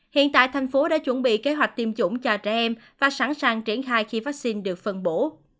hiện tại thành phố đã chuẩn bị kế hoạch tiêm chủng cho trẻ em và sẵn sàng triển khai khi vaccine được phân bổ